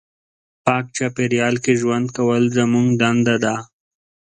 پاک چاپېریال کې ژوند کول زموږ دنده ده.